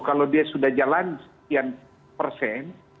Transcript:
kalau dia sudah jalan sekian persen